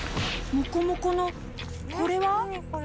もこもこのこれは？